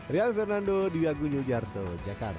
rian fernando di yogyakarta jakarta